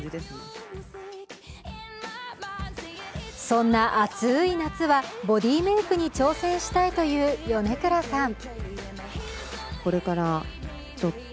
そんな暑い夏は、ボディメイクに挑戦したいという米倉さん。